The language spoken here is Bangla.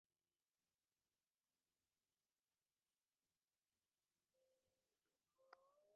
তথ্যপঞ্জীতে বিভিন্ন দর্শন ও দার্শনিক সম্বন্ধে বিশেষভাবে এবং অন্যান্য প্রয়োজনীয় টীকা সংক্ষিপ্তভাবে দেওয়া হইল।